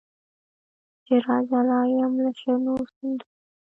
چي راجلا یم له شنو سیندونو